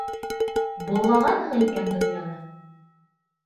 Болғағанһың икән донъяны.